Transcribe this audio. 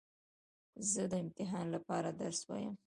زه د امتحان له پاره درس وایم.